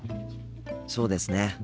そうですね。